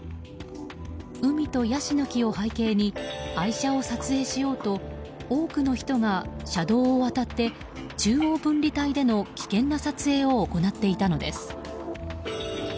海とヤシの木を背景に愛車を撮影しようと多くの人が車道を渡って中央分離帯での危険な撮影を行っていたのです。